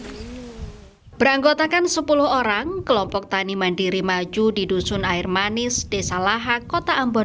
hai beranggotakan sepuluh orang kelompok tani mandiri maju di dusun air manis desa laha kota ambon